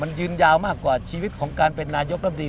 มันยืนยาวมากกว่าชีวิตของการเป็นนายกรัมดี